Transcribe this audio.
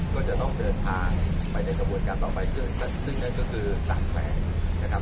ก็จะต้องเดินทางไปในกระบวนการต่อไปซึ่งนั่นก็คือสารแขวงนะครับ